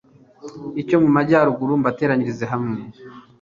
cyo mu majyaruguru mbateranyirize hamwe